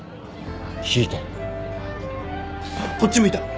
こっち向いた！